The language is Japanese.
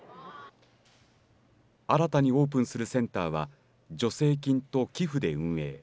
新たにオープンするセンターは助成金と寄付で運営。